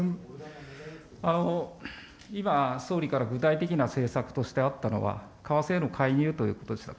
今、総理から具体的な政策としてあったのは、為替への介入ということでした。